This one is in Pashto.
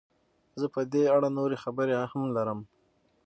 زه په دې اړه نورې خبرې هم لرم.